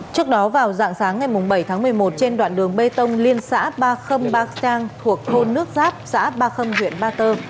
trước đó vào dạng sáng ngày bảy tháng một mươi một trên đoạn đường bê tông liên xã ba trăm linh ba trang thuộc thôn nước giáp xã ba mươi huyện ba tơ